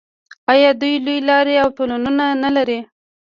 آیا دوی لویې لارې او تونلونه نلري؟